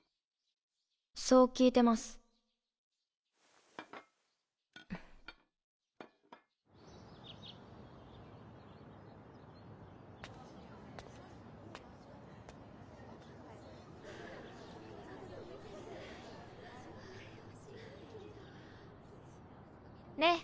そう聞いてます。ねぇ。